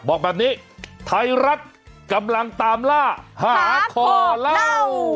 บอกแบบนี้ไทยรัฐกำลังตามล่าหาคอเล่า